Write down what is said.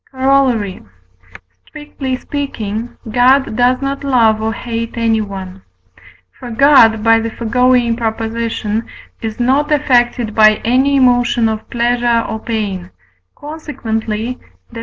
Corollary. Strictly speaking, God does not love or hate anyone. For God (by the foregoing Prop.) is not affected by any emotion of pleasure or pain, consequently (Def.